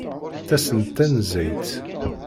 Ttasen-d tanezzayt.